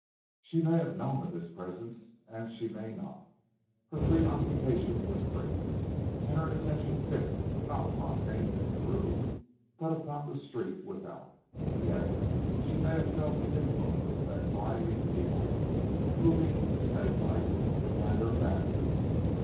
She may have known of his presence, and she may not. Her preoccupation was great, and her attention fixed not upon anything in the room, but upon the street without. Yet she may have felt the influence of that gliding Evil, moving, snake like, at her back.